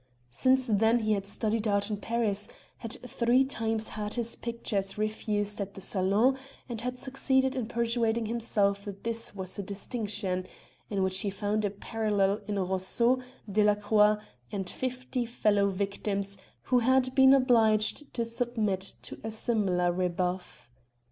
Since then he had studied art in Paris, had three times had his pictures refused at the salon and had succeeded in persuading himself that this was a distinction in which he found a parallel in Rousseau, Delacroix and fifty fellow victims who had been obliged to submit to a similar rebuff.